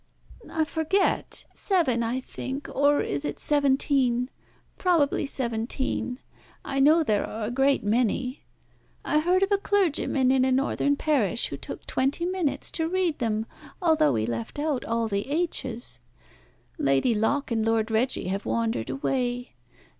"I forget! Seven, I think, or is it seventeen? Probably seventeen. I know there are a great many. I heard of a clergyman in a Northern parish who took twenty minutes to read them, although he left out all the h's. Lady Locke and Lord Reggie have wandered away.